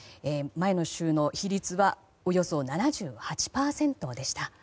前の週の比率はおよそ７８％でした。